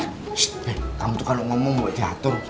sstt kamu tuh kalo ngomong buat diatur